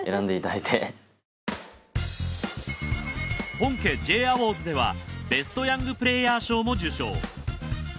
本家Ｊアウォーズではベストヤングプレーヤー賞も受賞。